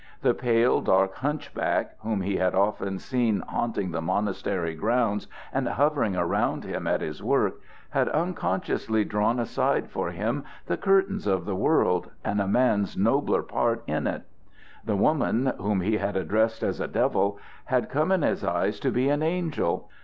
The pale, dark hunchback, whom he had often seen haunting the monastery grounds and hovering around him at his work, had unconsciously drawn aside for him the curtains of the world and a man's nobler part in it. The woman, whom he had addressed as a devil, had come in his eyes to be an angel.